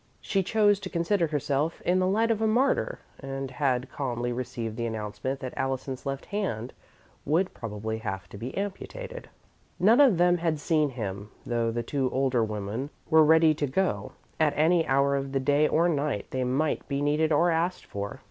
She chose to consider herself in the light of a martyr and had calmly received the announcement that Allison's left hand would probably have to be amputated. None of them had seen him, though the two older women were ready to go at any hour of the day or night they might be needed or asked for.